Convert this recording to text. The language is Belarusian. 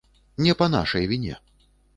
Не па нашай віне.